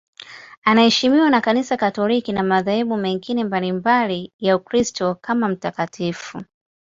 Anaheshimiwa na Kanisa Katoliki na madhehebu mengine mbalimbali ya Ukristo kama mtakatifu.